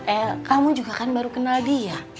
eh kamu juga kan baru kenal dia